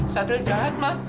satria jahat ma